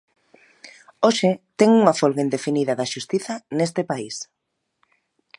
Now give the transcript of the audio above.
Hoxe ten unha folga indefinida da xustiza neste país.